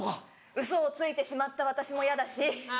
ウソをついてしまった私も嫌だし。